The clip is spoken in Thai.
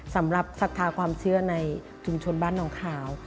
สำหรับศักดิ์ทาความเชื่อในชุมชนบ้านนองข่าว